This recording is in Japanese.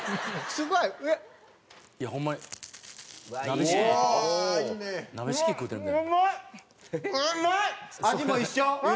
すごいね。